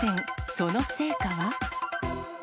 その成果は？